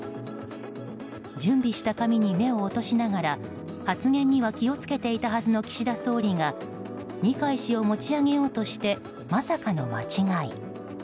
準備した紙に目を落としながら発言には気を付けていたはずの岸田総理が二階氏を持ち上げようとしてまさかの間違い。